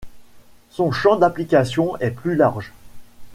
Son champ d'application est plus large.